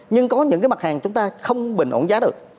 nhưng có những cái mặt hàng chúng ta không bình ổn giá được